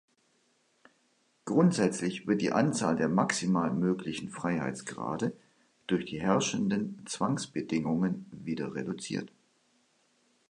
Grundsätzlich wird die Anzahl der maximal möglichen Freiheitsgrade durch die herrschenden Zwangsbedingungen wieder reduziert.